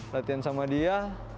latihan sama dia